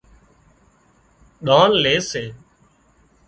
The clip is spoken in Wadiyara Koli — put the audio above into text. ۮان لي سي